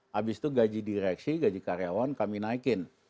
habis itu gaji direksi gaji karyawan kami naikin